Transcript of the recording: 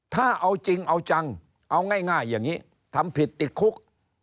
ถ้าเอาจริงเอาจังเอาง่ายอย่างนี้ทำผิดติดคุก